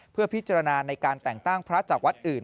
เพื่อพิจารณาในการแต่งตั้งพระจากวัดอื่น